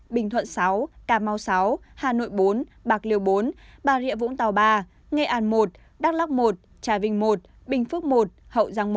bình thuận sáu cà mau sáu hà nội bốn bạc liêu bốn bà rịa vũng tàu ba nghệ an một đắk lắc một trà vinh i bình phước một hậu giang một